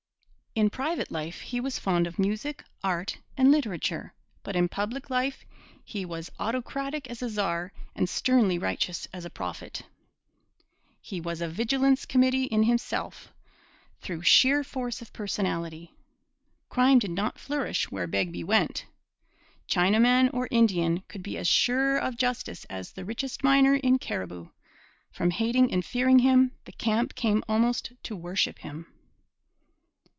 In private life he was fond of music, art, and literature; but in public life he was autocratic as a czar and sternly righteous as a prophet. He was a vigilance committee in himself through sheer force of personality. Crime did not flourish where Begbie went. Chinaman or Indian could be as sure of justice as the richest miner in Cariboo. From hating and fearing him, the camp came almost to worship him.